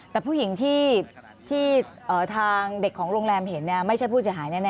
แต่ผู้หญิงที่ทางเด็กของโรงแรมเห็นไม่ใช่ผู้เสียหายแน่